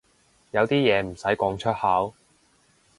有啲嘢唔使講出口